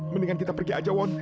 mendingan kita pergi aja won